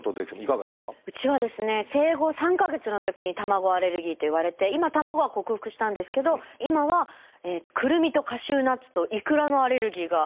うちはですね生後３か月のときに卵アレルギーと言われて今卵は克服したんですけど今はくるみとカシューナッツとイクラのアレルギーがあるんですよね。